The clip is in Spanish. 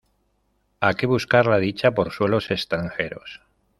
A qué buscar la dicha por suelos extranjeros.